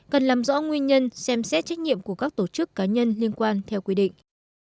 cần làm rõ nguyên nhân xem xét trách nhiệm của các tổ chức cá nhân liên quan theo quy định